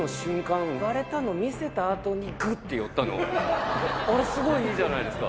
割れたの見せた後にグって寄ったのあれスゴいいいじゃないですか